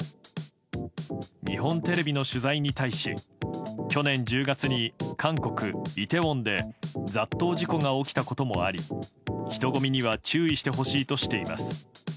日本テレビの取材に対し去年１０月に、韓国イテウォンで雑踏事故が起きたこともあり人混みには注意してほしいとしています。